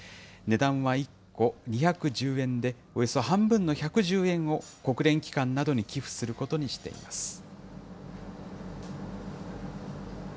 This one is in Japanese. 値段は１個２１０円で、およそ半分の１１０円を、国連機関などに寄付することにしています。